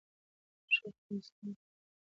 د شېخ بُستان شعر ملي اولسي وزن او آهنګ لري.